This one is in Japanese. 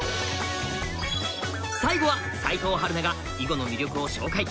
最後は齋藤陽菜が囲碁の魅力を紹介！